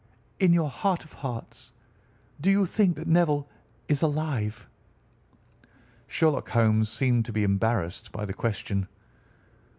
"In your heart of hearts, do you think that Neville is alive?" Sherlock Holmes seemed to be embarrassed by the question.